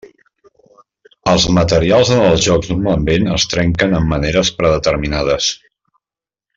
Els materials en els jocs normalment es trenquen en maneres predeterminades.